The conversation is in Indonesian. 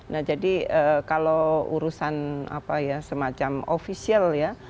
nah jadi kalau urusan semacam ofisial ya